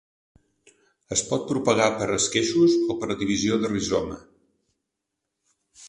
Es pot propagar per esqueixos o per divisió del rizoma.